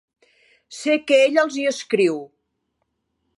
Sé que ella els hi escriu.